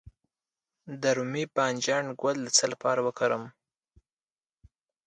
د رومي بانجان ګل د څه لپاره وکاروم؟